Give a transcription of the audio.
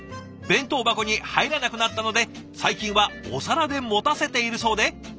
弁当箱に入らなくなったので最近はお皿で持たせているそうで。